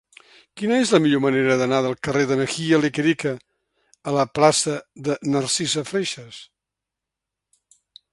Quina és la millor manera d'anar del carrer de Mejía Lequerica a la plaça de Narcisa Freixas?